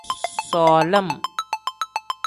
Solim.